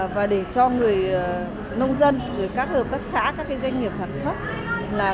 và để cho người nông dân các hợp các xã các doanh nghiệp sản xuất